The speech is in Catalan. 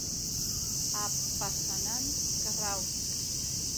A Passanant, carraus.